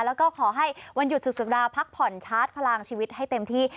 แล้วก็ขอให้วันหยุดสุดสัปดาห์พักผ่อนชาร์จพลังชีวิตให้เต็มที่